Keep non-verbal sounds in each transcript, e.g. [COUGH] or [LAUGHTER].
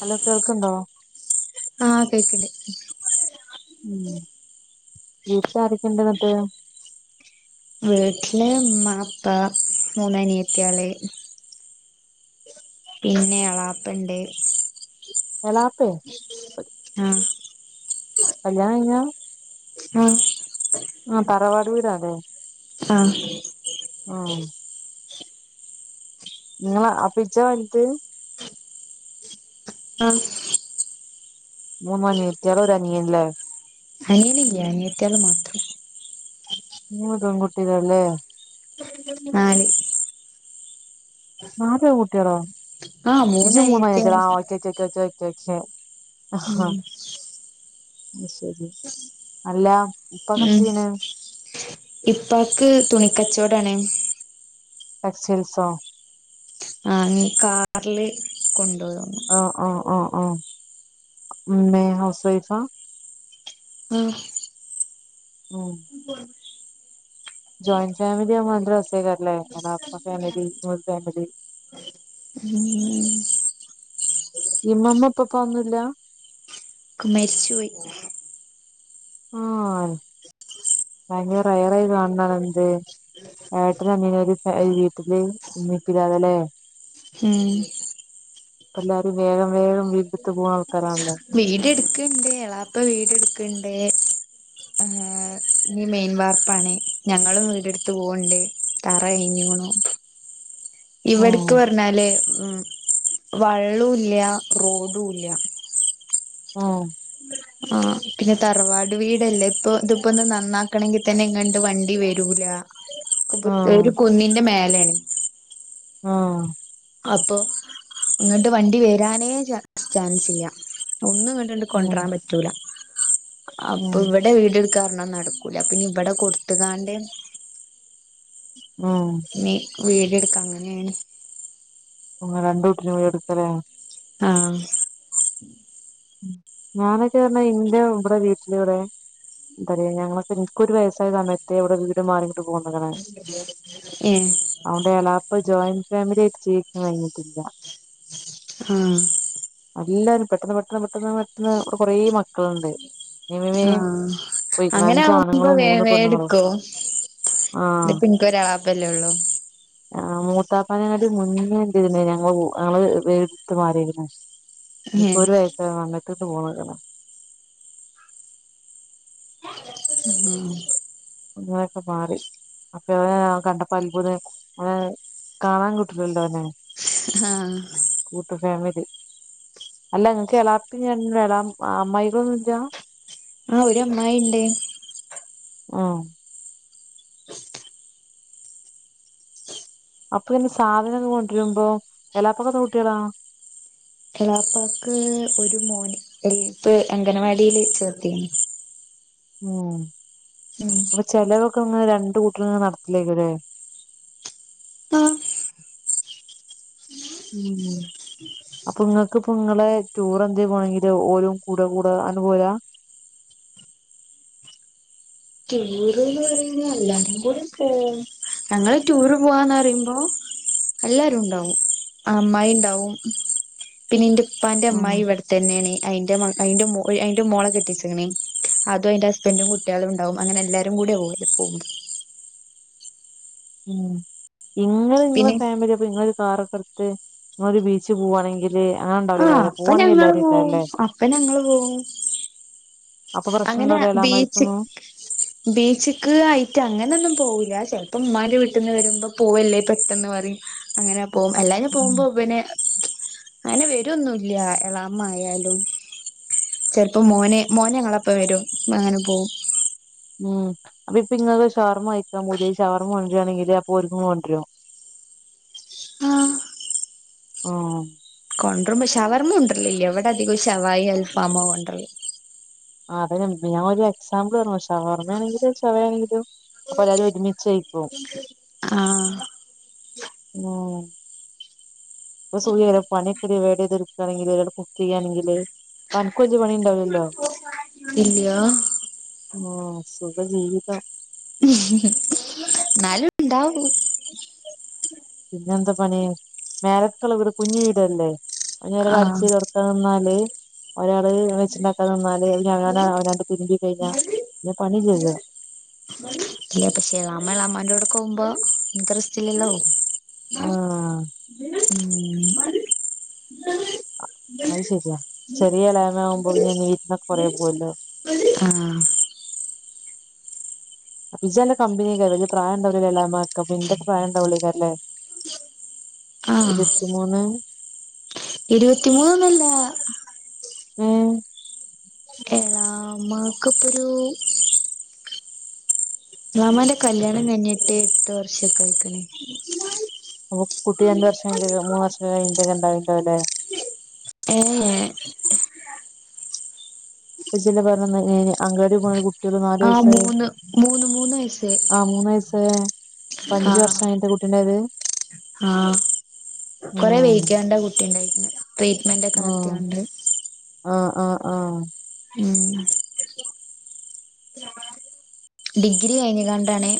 Hello! കേൾക്കണ്ടോ? ആഹ് കേക്കണ്ട് ഉം വീട്ടിൽ ആരെക്കൊണ്ട് എന്നിട്ട്? വീട്ടില് ഉമ്മ ഉപ്പ മൂന്ന് അനീയത്തിയാള്ളേ പിന്നെ എളാപ്പണ്ട് എളാപ്പയോ? ആഹ് കല്യാണം കഴിഞ്ഞാ ഉം ആ തറവാട് വീടാ അതെ ആഹ് ആഹ് നിങ്ങള ആ പിജ്ജ വന്നിട്ട് ആഹ് മുന്നനീയത്തിയള് ഒരനിയൻല്ലേ? അനിയനില്ല അനിയത്തിയാള് മാത്രം മൂന്ന് പെൺ കുട്ടികൾല്ലേ? നാല് നാല് ൺകുട്ടികളോ ആഹ് ഇജ്ജും മൂന്നനിയത്തിയാള് [UNINTELLIGIBLE] പക്ഷെ ഉം ആഹ് ശരി അല്ലാ പ്പകെന്ത് ഉം ചെയ്യണേ ഇപ്പാക്ക് തുണിക്കച്ചോടാണ് ടെക്സ്റ്റെൽസോ? ആ നീ കാറില് കൊണ്ടോവാ ആഹ് ആഹ് ആഹ് ആഹ് അമ്മേ ഹൗസ് വൈഫാ ഉം ഉം [UNINTELLIGIBLE] ജോയിന്റ് ഫാമിലി ആമ്പോ നല്ല രസല്ലേ അപ്പ ഫാമിലിജോയിന്റ് ഫാമിലി ഉം ഇമ്മമ്മ ഇപ്പപ്പ ന്നൂല്ല മെരിച്ചുപോയി. ആഹ് ഭയങ്കരരയറെ കാണന്നതെന്ത് ഏട്ടന് അനിയനൊരു വീട്ടില് മ്മീംപ്പീമ്മ് ല്ലാതെലേ ഉം പ്പെല്ലാരും വേഗം വേഗം വീട്ടത്ത് പോന്ന ആൾക്കാരാണല്ലോ വീടിട്ക്കണ്ട് എളാപ്പ വീട് എടുക്കണ്ട് ആഹ് ഇഞ് മെയിൻവാർപ്പാണ് ഞങ്ങളും വീടെടുത്ത് പോവണ്ട് തറ അയ്ഞ്ഞുകണു ഇവിടക്ക് ഉം പറഞ്ഞാല് ഉം വള്ളൂല്ല റോഡൂല്ല ഉം ഉം [UNINTELLIGIBLE] ആഹ് പിന്നെ തറവാട് വീടല്ലേ ഇപ്പൊ ഇതിപ്പോ ന്ന് നന്നാക്കണങ്കിൽ തന്നെ ഇങ്ങണ്ട് വണ്ടി വരൂല ഒരു ഉം കുന്നിന്റെ മേലെയാണ് ആഹ് അപ്പൊ ഇങ്ങട്ട് വണ്ടി വരാനേ ചാൻസ് ഇല്ല ഒന്നും ഇങ്ങട്ട് ഉം കോണ്ട്രൻ പറ്റൂല അപ്പൊ ഉം ഇവി ഇവിടെ വീട് എടുക്കാറഞ നടക്കൂല പിന്നെ ഇവിടെ കൊടുത്തുകാണ്ട് ഉം നീ വീടെടുക് അങ്ങനെണ് ഉങ്ങ രണ്ട്ട്ടർ പോയി എടുക്കലേ ആഹ് ഞാനൊക്കെ റഞ്ഞാ ഇന്റെ ഇവിടെ വീട്ടിലിവിടെ എന്തയ ഞങ്ങള് ന്ക്കോരു വയസ്സായ സമയത്തേ ഇവിടെ വീട് മാറി ഏഹ് അതുകൊണ്ട് എളാപ്പ ജോയിന്റ് ഫാമിലായിട്ട് ജീവിക്കാൻ കഴിഞ്ഞിട്ടി ല്ല ആഹ് എല്ലാരും പെട്ടെന്ന് പെട്ടെന്ന് പെട്ടെന്ന് പെട്ടന്ന് ഇവിടെ കൊറെ മക്കളുണ്ട് [UNINTELLIGIBLE] ആഹ് അങ്ങനെ ആവുമ്പോ അഞ്ജണുങ്ങളും വേ മൂന്ന് പെണ്ണുങ്ങളും ആഹ് ഇത്പ്പനിക്ക് ഒരാളപ്പല്ലേ ഉള്ളൂ ആഹ് മൂത്താപ്പാനങ്ങാട്ടി മുന്നേ ഉണ്ടായിരുന്നു ഞങ്ങള് ഞങ്ങള് വീടത് മാറിക്കിന് ഇപ്പൊ ഏഹ് ഒരു [UNINTELLIGIBLE] പോന്നക്കണ് ഉം [UNINTELLIGIBLE] മാറി അപ്പൊ ഓനെ കണ്ടപ്പോ അത്ഭുതായി ഓനെ കാണാൻ കിട്ട്ണില്ല ഓനെ. ആഹ് കൂട്ട ഫാമിലി അല്ല ങ്ങക്ക് എളാപ്പി എളാ അമ്മായിയളൊന്നുല്ല്യ ആ ഒരമ്മായിണ്ട്. ആഹ് അപ്പൊ ഇനി സാധനം കൊണ്ടര്മ്പോ എളാപ്പാക് എത്ര കുട്ട്യളാ എളാപ്പാക്ക് ഒരു മോന് യൽ പ്പൊ അംഗനവാടില് ചേർത്തീണ് ഉം ഉം അപ്പൊ ചെലവൊക്കെ ങ്ങള് രണ്ട് കൂട്ടരും നട്ത്തലേകുലെ ആ ഉം അപ്പൊങ്ങക്ക് പ്പൊ ങ്ങളെ ടൂറന്തേ പോണങ്കില് ഓരും കൂട കൂട അന്ന്പോരാ ട്ടുർ ന്ന് പറയുമ്പോ എല്ലാരും കൂടെ പോവും ഞങ്ങള് ടൂറ് പോവാന്നറിയുമ്പോ എല്ലാരുണ്ടാവും അമ്മായിണ്ടാവും പിന്നെ ഇന്റെ ഇപ്പാന്റെ ഉം അമ്മായിവടെതന്നെണ് അയിന്റെ മൊ അയിന്റെമൊ അയിന്റെ മോളെ കെട്ടിച്ച്ക്ണ് അതും അയിന്റെ ഹസ്ബൻഡും കുട്ട്യോളുണ്ടാവും അങ്ങനെ എല്ലാരും കൂടി പോവല് പോ ഉം. ഇങ്ങൾ ഇങ്ങളെ പിന്നെ ഫാമിലിയൊപ്പൊ ഇങ്ങളൊരു കാറൊക്കെടുത്ത് ങ്ങളൊരു ബീച്ച് പോവാണെങ്കിൽ ആഹ് അപ്പഞങ്ങൾ പോവും അപ്പഞങ്ങള് പോവും അപ്പൊ പ്രശ്നം അങ്ങനെ ഉണ്ടാവില്ല ബീച്ച്ക് എളാമാർക്കൊന്നും ബീച്ച്ക്ക് ആയിട്ട് അങ്ങനെന്നും പോവുല ചെലപ്പമ്മാന്റെ വീട്ട്ന്ന് വരുമ്പം പോവല്ലേ പെട്ടെന്ന് പറിം. അങ്ങനെ പോവും അല്ലാഞ്ഞ പോവുമ്പോ വനെ അങ്ങനെ വരൊന്നുല്ല്യ എളാമായാലും ചെൽപ്പോ മോന് മോന് ഞങ്ങളപ്പം വരും അങ്ങനെ പോവും ഉം അപ്പൊപ്പിങ്ങള് ഷവർമ്മ കയിക്കാൻ പൂതിആയി ഷവർമ്മ കൊണ്ട്രാണെങ്കില് അപ്പൊ ഓര്കും കൊണ്ട്രോ.. ആഹ് ആം കൊണ്ടർമ്പോ ശവർമ കൊണ്ടര്ലില്ല്യ വ്വടധികം ശവായി അൽഫാമോ കൊണ്ടർല് ആ അതെന്നെ ഞാൻ ഒരു എക്സാമ്പിൾ പർഞ ശവർമാണെങ്കിലും ശവായെണെങ്കിലും അപ്പൊല്ലാരും ഒരുമിച്ചെയ്‌ക്കു ആഹ് [INAUDIBLE] പ്പ [UNINTELLIGIBLE] പണിയൊക്കെ ഡിവേഡൈത് ഇട്ക്ണെങ്കില് ഒരാള് കുക്കയ്യാണെങ്കില് അൻക്ക് ഒയിഞ പണിണ്ടാവൊല്ലോ ഇല്യാഹ് ഉം സുഖജീവിതം ന്നാലുണ്ടാകും പിന്നെ എന്തപണി മേലക്ള്ള വീട് കുഞ്ഞ് വീടല്ലേ ഞ് ആഹ് അടിചരി തൊ [UNINTELLIGIBLE] ഒരാള് വെച്ചിണ്ടാക്കാൻ നിന്നാല് അവനാന് അവനാന്റെ തിരുമ്പി കഴിഞ്ഞ ല്ല്യ പണില്യല്ലോ ഇല്ല പക്ഷേ എളാമ എളാമാന്റോട്ക്കൊവുമ്പോ ഇൻക് റസ്റ്റ്ല്ലല്ലോ ആഹ് ഉം അയ്‌ ശെരിയാ ചെറിയെഎളെമാവുമ്പോപിന്നെ [UNINTELLIGIBLE] കൊറേ പോവൊല്ലോ.. ആഹ് അപ്പ ജ്ജ്ല്ല കമ്പിനിക്കെരം വല്യ പ്രായണ്ടവുലലേ എളെമാകപ്പോ ഇന്റെ പ്രായണ്ടാവൊള്ളയ്‌കാരല്ലേ ഇരത്തിമൂന്ന് ഇരുവത്തിമൂന്നൊന്നല്ലാ ഏഹ് എളാമ്മാക്ക് ഇപ്പൊരു മാമാന്റെ കല്യാണം കഴിഞ്ഞിട്ട് എട്ട് വർഷൊക്കെ ആയിക്ക്ണ് അപ്പ കുട്ടി രണ്ട് വർഷങ്കേ മൂന്ന് വർഷം കഴിഞ്ഞട്ടക്ക ണ്ടായിണ്ടാവാല്ലേ ഏഹ് ഏഹ് അപ്പം ഇജ്ജല്ലെ പറഞ്ഞന്നെ [UNINTELLIGIBLE] അങ്ങാടി പോണ കുട്ട് ട്ടിക്ക് നാലു ആഹ് വയസായേ മൂന്ന് മൂന്ന് മൂന്ന് വയസ്സ് ആഹ് മൂന്ന് വയസായേ അപ്പഞ്ചു ആഹ് വർഷം കഴിഞ്ഞ്ട്ട കുട്ടിണ്ടായത്‌ ആഹ് കൊറെ ആഹ് വൈകിയാണ്ട കുട്ടിണ്ടായിക്ണെ ട്രീറ്റ്മെന്റ് ഒക്കെ ആഹ് നടത്തിയൊണ്ട് ആഹ് ആഹ് ആഹ് മ് ഡിഗ്രി കഴിഞ്ഞുകാണ്ടാണ്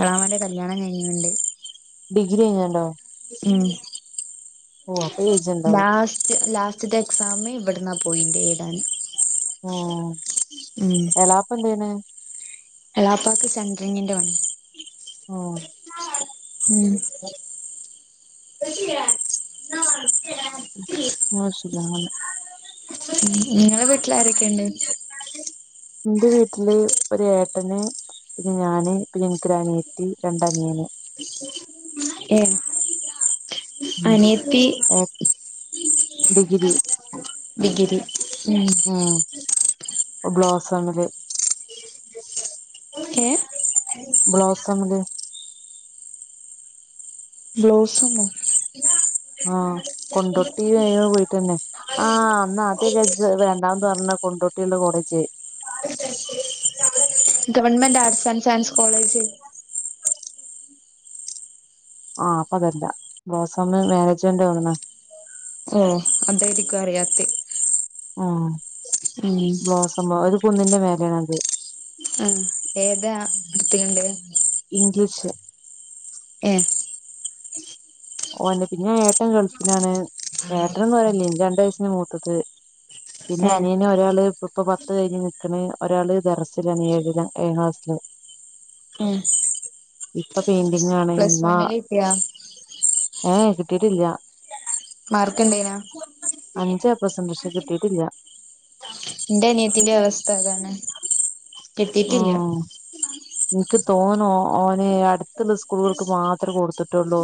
എളാമാന്റെ കല്യാണം കയിഞ്ഞ്‌ണ്ട്‌ ഡിഗ്രി കയ്ഞ്ഞാണ്ടോ ഉം അപ്പൊ ഏജ് ഉണ്ടാവും ലാസ്റ്റ് ലാസ് ഫസ്റ്റ് ത്തെ എക്സാം ഇവിടുന്നാ പോയിണ്ടെ എഴുതാന് ആഹ് ഉം എളാപ്പ എന്താ ചെയ്യ്ണെ എളാപ്പാക്ക് സെൻട്രിങ്ങിന്റെ പണി ഊം ഉം [UNINTELLIGIBLE] മ് ഇങ്ങളെ വീട്ടിലാരെക്കെണ്ട് ന്റെ വീട്ടില് ഒരേട്ടന് പിന്നെ ഞാന് പിന്നെ ഇൻക്കൊരു അനിയത്തി രണ്ടനിയന് സ് സഅ ഏഹ് ഉം ഓപ് ഡിഗ്രി ഡിഗിരി ഊം ആഹ് ബ്ലോസമില് ഏഹ് ബ്ളോസമില് ബ്ലോസ്സമാ ആഹ് കൊണ്ടോട്ടി അയിലണ് പോയിട്ടന്നെ ആഹ് അന്നാ അതെയ്ക്കാരജ്ജ് രണ്ടാമത് പറഞ്ഞ കൊണ്ടോട്ടി ഇള്ള college [UNINTELLIGIBLE] government arts and science college ആഹ് അപ്പൊ അതല്ല ബോസമ്മ് മേനേജ്മെന്റാ തോന്ന്ണ് ഏഹ് അതേരിക്കും അറിയാത്തെ ആഹ് ഉം ബ്ലോസമ്മ ഒരു കുന്നിന്റെ മേലേണ് അത് ആഹ് ഏതാ ഇത്തികണ്ട് ഇഗ്ലീഷ്ല് ഏഹ് ഓന്റെ പിന്നെ ഏട്ടൻ ഗൾഫിലാണ് ഏട്ടന് പറയാനൊന്നുല്ലേ ന്റെരണ്ടയസിന് മൂത്തത് പിന്നെ ഏ അനിയനൊ ഒരാള് ഇപ്പൊ പ്പൊ പത്ത് കഴിഞ്ഞ് നിക്കണ് ഒരാള് ദറസിലാണ് ഏഴിലാ ഏഴാം ക്ലാസില് ഏസ് ഇപ്പ പെയിന്റിങ് ആണ് പ്ലസ് വണ്ണിലിട്ടിയോ ഏഹ് കിട്ടീട്ടില്ല മാർക്ക് ഇണ്ടേയ്നോ അഞ്ച് ഏപ്ലസ്ണ്ട് ക്ഷേ കിട്ടീട്ടില്ല ഇന്റെ അനിയത്തിന്റെ അവസ്ഥ അതാണ് കിട്ടീട്ടില്ല ഇൻക്ക് തോന്ന്ണു ഓന് അട്ത്ത്ള്ള സ്കൂളുകൾക്ക് മാത്രേ കൊടുത്തിട്ടുള്ളൂ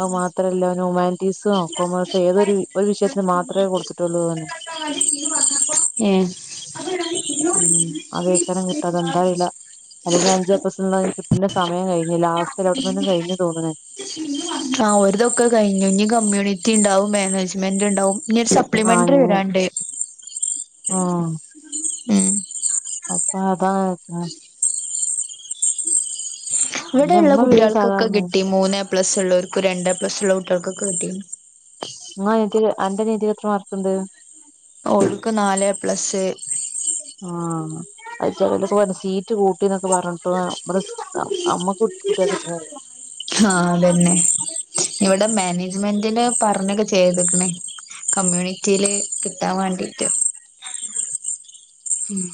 അവ് മാത്രല്ലാന് ഹുമാനിറ്റീസും കൊമേഴ്സോ ഏതൊരു ഒരു വിഷയത്തിന് മാത്രേ കൊടുത്ത്ട്ടൊള്ളൂന്ന് പറഞ് ഏ [INAUDIBLE] അതെന്തായില അല്ലെങ്കി അഞ്ചേപ്ലസുള്ളന്ന് കിട്ടണ്ട സമയം കഴിഞ്ഞ് ലാസ്റ്റ് അലോട്ട്മെന്റും കഴിഞ്ഞൂ ന്നാ കഴിഞ്ഞുന്ന് തോന്ന്ണ് ആ ഓരതൊക്കെ കയ്ഞ്ഞു ഞ് കമ്മ്യൂണിറ്റിണ്ടാവും മാനേജ്മെന്റ്ണ്ടാവും നിഒരു സബ് ആഞ് ആഹ് ഉം അപ്പതാന്നോ പിന്നെ ഇവിടെള്ള ഇമ്മ വീഴും കുട്ട്യാൾക്കൊക്കെ സാധാരണ കിട്ടി മൂന്നേപ്ലസ്ള്ളോർക്കും രണ്ടേപ്ലസ്ള്ള കുട്ട്യാൾക്കൊക്കെ കിട്ടി ങ്ങാഎതിക് അന്റെ രീതീലെത്ര മാർക്ക്ണ്ട്? ഓൾക്ക് നാലേപ്ലസ് ആഹ് അത് ചെലരൊക്കെ പറഞ് സീറ്റ് കൂട്ടിന്നൊക്കെപറഞ്ട്ടും അപ്പടെ ദ അമ്മക്കു കുട്ട്യാക്ക് ണാര്യാ [INAUDIBLE] ആഹതെന്നെ ഇവടെ മാനേജ്മെന്റിന് പറഞ്ഞൊക്കെ ചെയ്ത്ക്ക്ണ് കമ്മ്യൂണിറ്റീല് കിട്ടാവാണ്ടീട്ട്. ഉംമ്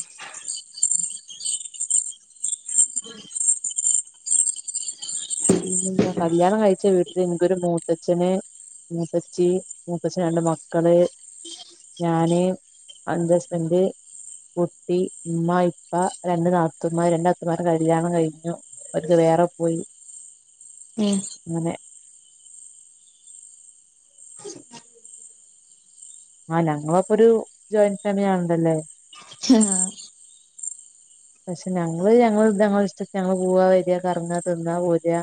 ന്നെന്താ കല്യാണം കഴിച്ച വീട്ടില് നിക്കൊരു മൂത്തച്ഛന് മൂത്തച്ചി മൂത്തച്ചന് രണ്ട് മക്കള് ഞാന് അഞ്ചസ്മെന്റ് കുട്ടി ഇമ്മ ഇപ്പ രണ്ട് നാത്തൂമാര് രണ്ടാക്കും വേറെ കല്യാണം കൈഞ്ഞു ഓര്ക്കെവേറെ പോയി ഉം അങ്ങനെ മാ നങ്ങളപ്പൊരു ജോയിൻ ഫാമിലി ആണല്ലോലെ [UNINTELLIGIBLE] പക്ഷെ ഞങ്ങള് ഞങ്ങളത്ങ്ങളെ ഇഷ്ടത്തിന് നങ്ങള് പൂവാ വരാ കറങ്ങാ തിന്നാ പോരാ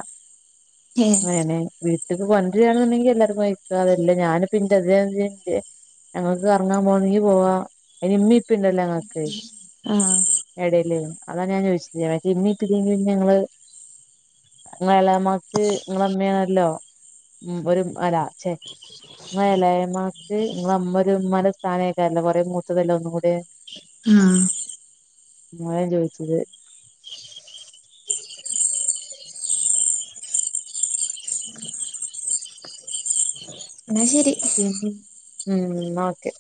ഹേ.. ങ്ങനെ വീട്ട്ക്ക് കൊണ്ട്രാണ്ന്ന്ണ്ടെല് എല്ലാർക്കും കഴിക്കാ അതല്ല ഇതിന്റെ അസായ്സിന്റെ ഞങ്ങക്ക് കറങ്ങാൻ പോണെങ്കി പോവാ അയ്ന് ഇമ്മി ഇപ്പണ്ടല്ലോ ഞങ്ങക്ക് ആഹ്. എടേല് അതാഞാ ചോദിച്ചത് മറ്റേ [UNINTELLIGIBLE] ഇപ്പല്ലെങ്കില് ഞങ്ങള് ങ്ങെളാമ്മാക്ക് ഇങ്ങളെമ്മേണല്ലോ ഉം ഒരു അല ചെ ഇങ്ങെലാമ്മാക്ക് ഇങ്ങള്മ്മരു ഇമ്മാന്റ സ്ഥാനായ്ക്കാരല്ലോ കൊറേ മൂത്തതല്ലേ ഒന്നുകൂടെ ആഹ് മ്മായ ഞാ ചോയ്ച്ചത് ന്നാ ശരി ഉം ഉം ന്നാഓക്കെ.